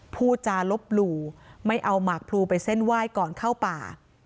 พูดจารบหลู่ไม่เอาหมากพลูไปเส้นไหว้ก่อนเข้าป่า